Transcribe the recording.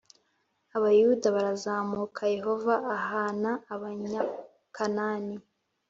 Abayuda barazamuka, Yehova ahana Abanyakanani